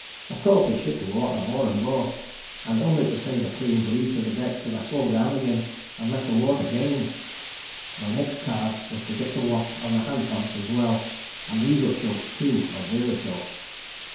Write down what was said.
Of course, we shipped water more and more, and only to save a clean breach of the decks did I slow down again and let the water gain. My next card was to get the watch on the hand pumps as well, and these were choked, too, or nearly so.